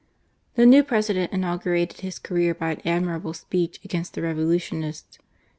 The new President inaugurateii his career by an ad mirable speech against the Revolutionists.